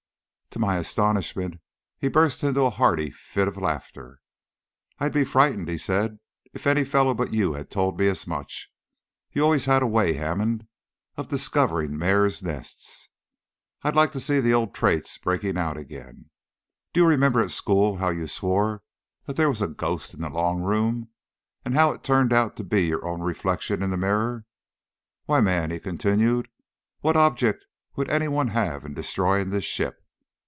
To my astonishment he burst into a hearty fit of laughter. "I'd be frightened," he said, "if any fellow but you had told me as much. You always had a way, Hammond, of discovering mares' nests. I like to see the old traits breaking out again. Do you remember at school how you swore there was a ghost in the long room, and how it turned out to be your own reflection in the mirror. Why, man," he continued, "what object would any one have in destroying this ship?